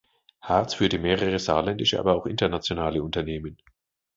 Hartz führte mehrere saarländische, aber auch internationale Unternehmen.